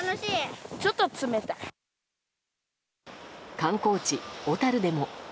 観光地・小樽でも。